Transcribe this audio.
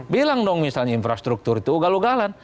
bilang dong misalnya infrastruktur itu ugal ugalan